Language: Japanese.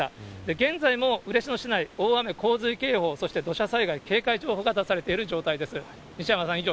現在も嬉野市内、大雨洪水警報、そして土砂災害警戒情報が出されている状態です。